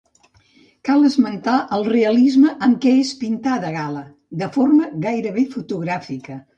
Cal esmentar el realisme amb què és pintada Gala, de forma gairebé fotogràfica.